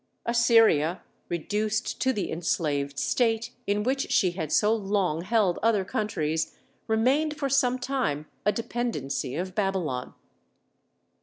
Assyria, reduced to the enslaved state in which she had so long held other countries, remained for some time a dependency of Babylon.